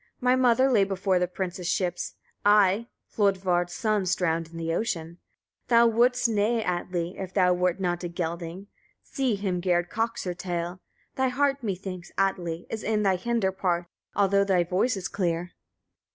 My mother lay before the prince's ships; I Hlodvard's sons drowned in the ocean. 20. Thou wouldst neigh, Atli! if thou wert not a gelding. See! Hrimgerd cocks her tail. Thy heart, methinks, Atli! is in thy hinder part, although thy voice is clear.